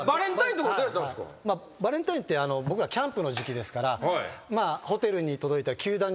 バレンタインって僕らキャンプの時季ですから。